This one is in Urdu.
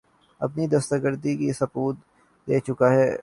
اپنی درستگی کا ثبوت دے چکا ہے